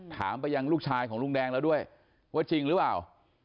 ถามไปยังลูกชายของลุงแดงแล้วด้วยว่าจริงหรือเปล่า